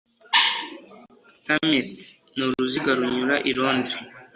Thames ni uruzi runyura i Londres.